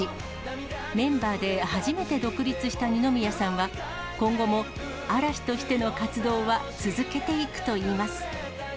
メンバーで初めて独立した二宮さんは、今後も嵐としての活動は続けていくといいます。